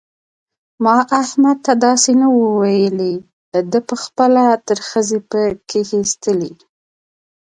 ما احمد ته داسې نه وو ويلي؛ ده په خپله ترخځي په کښېيستلې.